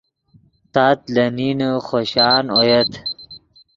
تات لے نین خوشان اویت